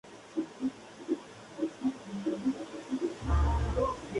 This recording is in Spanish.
Entre los residentes en el extranjero, sus identidades son notablemente más indonesios que chinos.